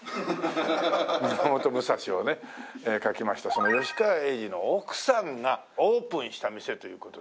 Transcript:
『宮本武蔵』をね書きましたその吉川英治の奥さんがオープンした店という事で。